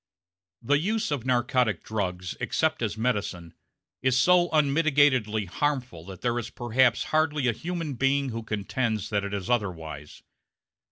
The use of narcotic drugs (except as medicine) is so unmitigatedly harmful that there is perhaps hardly a human being who contends that it is otherwise.